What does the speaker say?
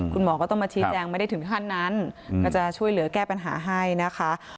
คุณหมอก็ต้องมาชี้แจงไม่ได้ถึงขั้นนั้นก็จะช่วยเหลือแก้ปัญหาให้นะคะ